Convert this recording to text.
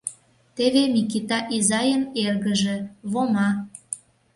— Теве Микита изайын эргыже, Вома.